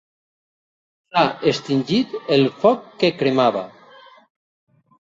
S'ha extingit el foc que cremava.